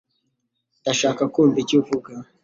Ndashaka kumva icyo uvuga